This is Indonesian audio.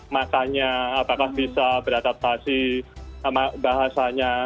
makanya apakah bisa beradaptasi sama bahasanya